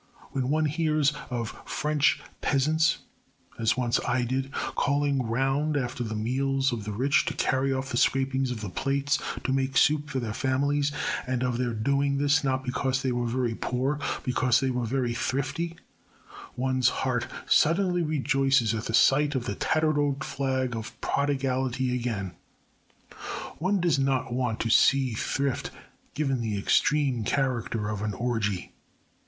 When one hears of French peasants (as I once did) calling round after the meals of the rich to carry off the scrapings of the plates to make soup for their families, and of their doing this not because they were very poor, but because they were very thrifty, one's heart suddenly rejoices at the sight of the tattered old flag of prodigality again. One does not want to see thrift given the extreme character of an orgy.